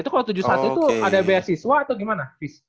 itu kalau tujuh puluh satu itu ada beasiswa atau gimana